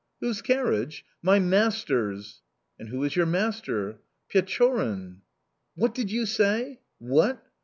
"Whose carriage? My master's." "And who is your master?" "Pechorin " "What did you say? What?